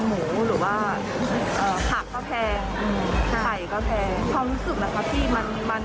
หรือแบบดูแลประชาชนให้ทั่วถุงนิดนึงอะไรอย่างนี้